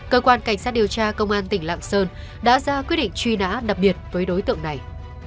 cơ quan cảnh sát điều tra công an tỉnh lạng sơn đã ra quyết định truy nã đặc biệt với đối tượng này